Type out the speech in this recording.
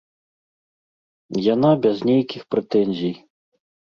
Яна без нейкіх прэтэнзій.